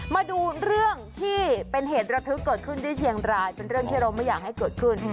มาดูเรื่องที่เป็นเหตุระทึกเกิดขึ้นที่เชียงรายเป็นเรื่องที่เราไม่อยากให้เกิดขึ้น